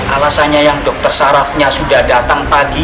alasannya yang dokter sarafnya sudah datang pagi